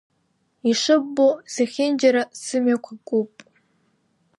Ишыббо зехьынџьара сымҩақәа куп.